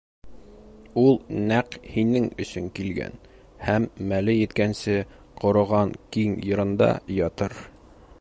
Ул нәҡ һинең өсөн килгән һәм мәле еткәнсе ҡороған киң йырында ятыр.